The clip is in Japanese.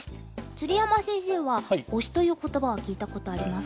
鶴山先生は「推し」という言葉は聞いたことありますか？